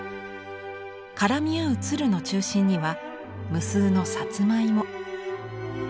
絡み合うつるの中心には無数のさつまいも。